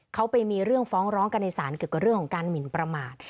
เขาไปมีเรื่องฟ้องร้องกันในศาลเกี่ยวกับเรื่องของการหมินประมาท